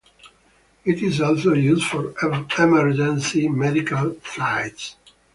It is also used for emergency medical flights.